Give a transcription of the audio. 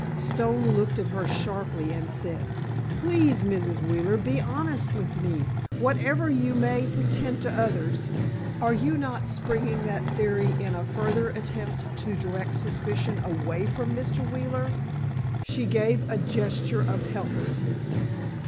Stone looked at her sharply, and said: "Please, Mrs. Wheeler, be honest with me, whatever you may pretend to others. Are you not springing that theory in a further attempt to direct suspicion away from Mr. Wheeler?" She gave a gesture of helplessness.